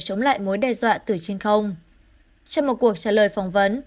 chống lại mối đe dọa từ trên không trong một cuộc trả lời phỏng vấn